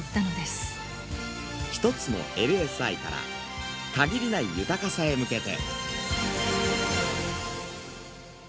「ひとつのＬＳＩから限りない豊かさへ向けて」。